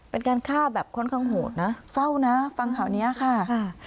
เป็นการฆ่าแบบค่อนข้างโหดนะเศร้านะฟังข่าวนี้ค่ะ